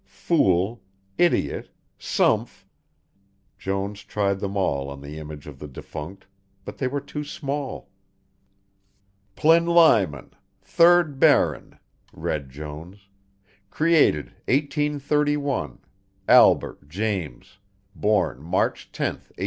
Fool, idiot, sumph Jones tried them all on the image of the defunct, but they were too small. "Plinlimon: 3rd Baron," read Jones, "created 1831, Albert James, b. March 10th, 1862.